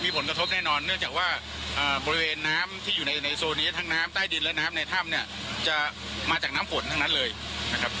ผลกระทบแน่นอนเนื่องจากว่าบริเวณน้ำที่อยู่ในโซนนี้ทั้งน้ำใต้ดินและน้ำในถ้ำเนี่ยจะมาจากน้ำฝนทั้งนั้นเลยนะครับ